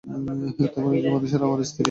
তেমন একজন মানুষ আমার স্ত্রী।